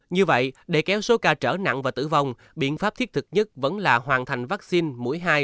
như vậy để kéo số ca trở nặng và tử vong biện pháp thiết thực nhất vẫn là hoàn thành vaccine mũi hai